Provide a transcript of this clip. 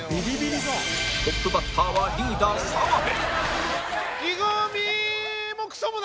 トップバッターはリーダー澤部